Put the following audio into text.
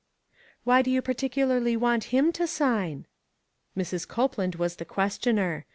"Why did you particularly want him to sign?" Mrs. Copeland was the questioner.